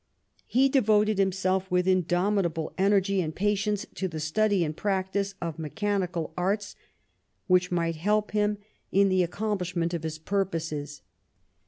He devoted himself with indomitable energy and patience to the study and practice of me chanical arts which might help him in the accomplish 45 THE REIGN OF QUEEN ANNE ment of hi8 purposes.